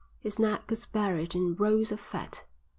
His neck was buried in rolls of fat.